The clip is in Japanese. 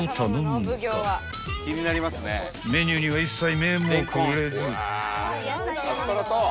［メニューには一切目もくれず］